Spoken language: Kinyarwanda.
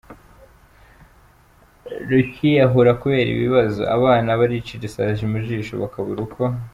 rukiyahura kubera ibibazo; abana baricira isazi mu zisho bakabura uko